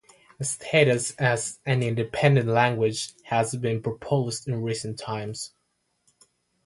A status as an independent language has been proposed in recent times.